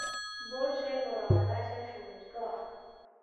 برج مراقبت فرودگاه